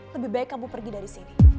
lebih baik kamu pergi dari sini